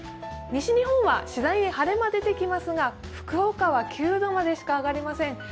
西日本はしだいに晴れ間が出てきますが、福岡は９度までしか上がりません。